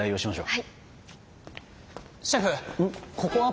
はい。